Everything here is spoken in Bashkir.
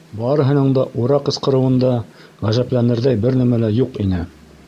Барыһының да «ура» ҡысҡырыуында ғәжәпләнерҙәй бер нәмә лә юҡ ине.